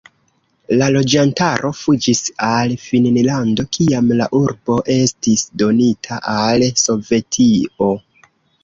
La loĝantaro fuĝis al Finnlando, kiam la urbo estis donita al Sovetio.